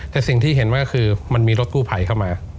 แต่สิ่งที่เห็นมาก็คือมันมีรถกู้ไผกล้อมา